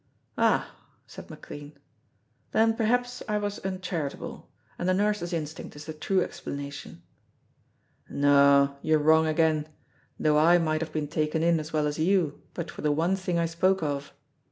"Ah," said McLean, "then perhaps I was uncharitable, and the nurse's instinct is the true explanation." "No, you're wrong again, though I might have been taken in as well as you but for the one thing I spoke of.